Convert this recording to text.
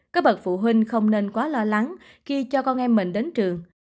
các bậc phụ huynh không nên quá lo lắng khi cho con em mình đến trường